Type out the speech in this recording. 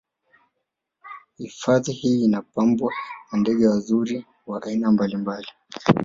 Hifadhii hii inapambwa na ndege wazuri wa aina mbalimbali